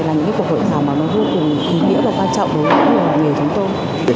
là những cuộc hội thảo mà nó vô cùng kinh nghĩa và quan trọng đối với nghề chúng tôi